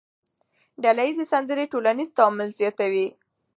ډلهییزې سندرې ټولنیز تعامل زیاتوي.